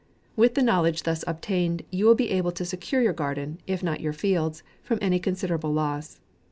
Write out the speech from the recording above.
With the knowledge thus obtained, you will be able to secure your garden, if not your fields, from any considerable loss.